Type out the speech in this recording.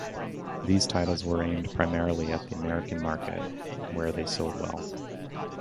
These titles were aimed primarily at the American market, where they sold well.